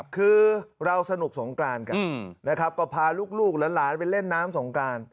คือเราสนุกสงกรานกันนะครับก็พาลูกหลานไปเล่นน้ำสงกราน